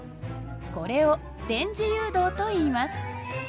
これを電磁誘導といいます。